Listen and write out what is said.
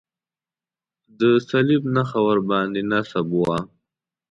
د صلیب نښه ورباندې نصب وه.